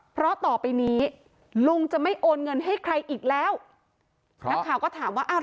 เพราะต่อไปนี้ลุงจะไม่โอนเงินให้ใครอีกแล้วนักข่าวก็ถามว่าอ้าว